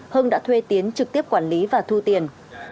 hưng đã thuê tiến trực tiếp quản lý và thu tiền